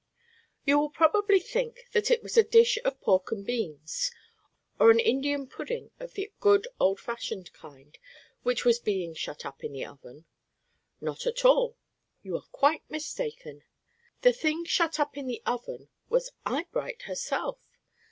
You will probably think that it was a dish of pork and beans, or an Indian pudding of the good, old fashioned kind, which was shut up in the Oven. Not at all. You are quite mistaken. The thing shut up in the Oven was Eyebright herself!